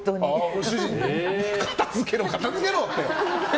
ご主人に片付けろ、片付けろって？